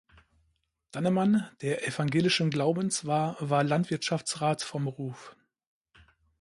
Dannemann, der evangelischen Glaubens war, war Landwirtschaftsrat von Beruf.